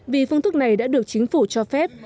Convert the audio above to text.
vì phương thức này đã được chính phủ cho phép